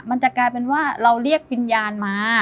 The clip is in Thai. มันจะกลายเป็นว่าเราเรียกวิญญาณมา